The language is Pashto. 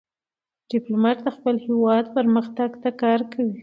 ډيپلومات د خپل هېواد پرمختګ ته کار کوي.